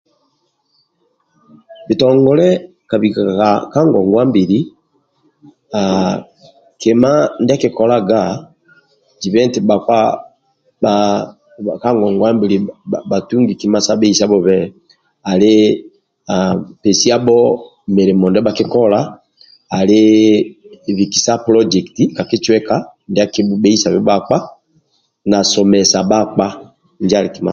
Bitongole ka bika ka ngongwa mbili haaa kima ndia akikolaga zibe etii bhakpa ka ngongwa bha bhatungi kima sa bheisabhobe ali pesiabho milimo ndia bhakikola ali bikisa polojeliti ka kicweka ndia akibhubheisabe bhakpa na somesa bhakpa injo ali kima